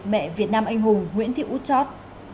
mẹ việt nam anh hùng nguyễn thị út chót